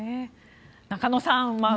中野さん